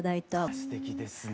すてきですね。